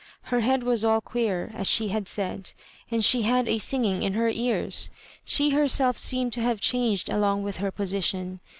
Her head was all queer, as she bad said, and she had a singii^ in her ears. She herself seemed to have changed along with her position.